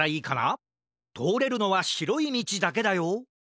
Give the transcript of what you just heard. とおれるのはしろいみちだけだよ